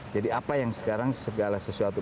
jadi apa yang sekarang segala sesuatu